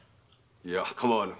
いや構わぬ。